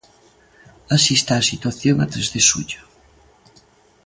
Así está a situación a tres de xullo.